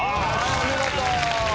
お見事！